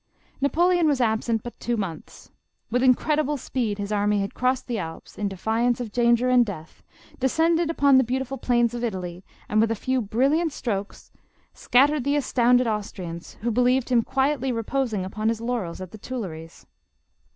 Napoleon was absent but two months. With incred ible speed his army had crossed the Alps, in defiance of danger and death, descended upon the beautiful plains of Italy, and with a few brilliant strokes, 250 JOSEPHINE. scattered the astounded Austrians, who believed him quietly reposing upon his laurels at the Tuilleries.